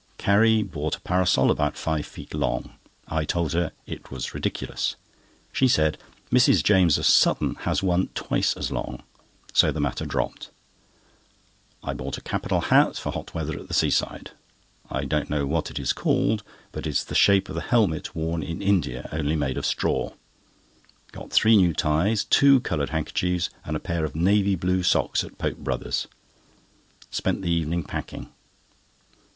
Carrie bought a parasol about five feet long. I told her it was ridiculous. She said: "Mrs. James, of Sutton, has one twice as long so;" the matter dropped. I bought a capital hat for hot weather at the seaside. I don't know what it is called, but it is the shape of the helmet worn in India, only made of straw. Got three new ties, two coloured handkerchiefs, and a pair of navy blue socks at Pope Brothers. Spent the evening packing.